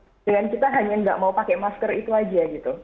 dengan kita hanya nggak mau pakai masker itu aja gitu